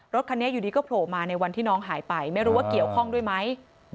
รถคันนี้อยู่ดีก็โผล่มาในวันที่น้องหายไปไม่รู้ว่าเกี่ยวข้องด้วยไหม